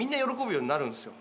ようになるんですよ。